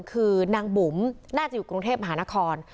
คือนางบุ๋มน่าจะอยู่กรุงเทพมหานคร